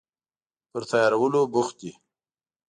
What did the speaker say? پر تیارولو بوخت دي